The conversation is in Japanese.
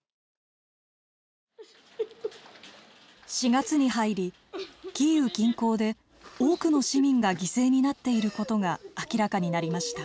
４月に入りキーウ近郊で多くの市民が犠牲になっていることが明らかになりました。